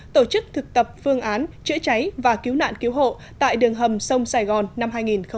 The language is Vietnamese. tổ chức thực tập phương án chữa cháy và cứu nạn cứu hộ tại đường hầm sông sài gòn năm hai nghìn hai mươi